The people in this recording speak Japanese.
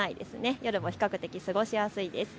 夜も比較的過ごしやすいです。